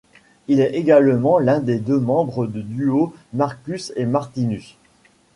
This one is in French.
Il est également l'un des deux membres du duo Marcus & Martinus.